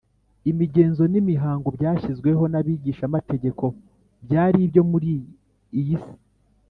” imigenzo n’imihango byashyizweho n’abigishamategeko byari ibyo muri iyi si,